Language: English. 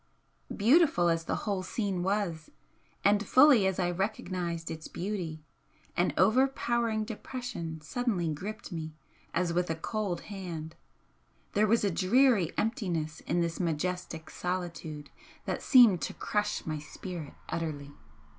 Beautiful as the whole scene was, and fully as I recognised its beauty, an overpowering depression suddenly gripped me as with a cold hand, there was a dreary emptiness in this majestic solitude that seemed to crush my spirit utterly.